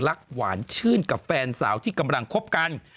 หวานชื่นกับแฟนสาวที่กำลังคบกัน